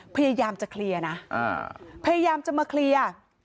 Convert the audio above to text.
พยายามจะเคลียร์นะพยายามจะมาเคลียร์